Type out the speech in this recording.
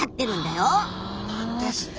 そうなんですね。